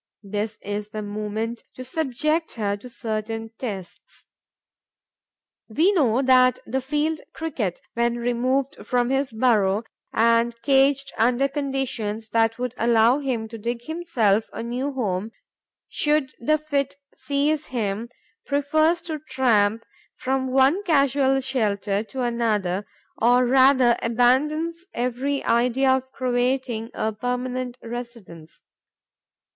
This is the moment to subject her to certain tests. We know that the Field Cricket, when removed from his burrow and caged under conditions that would allow him to dig himself a new home should the fit seize him, prefers to tramp from one casual shelter to another, or rather abandons every idea of creating a permanent residence.